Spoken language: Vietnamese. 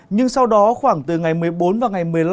nhưng sau đó khoảng từ ngày một mươi bốn và ngày một mươi năm